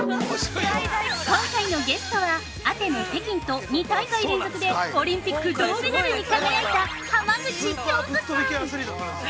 ◆今回のゲストはアテネ、北京と２大会連続でオリンピック銅メダルに輝いた浜口京子さん。